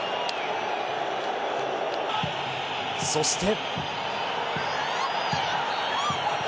そして。